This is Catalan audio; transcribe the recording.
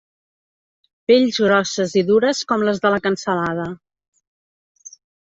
Pells grosses i dures com les de la cansalada.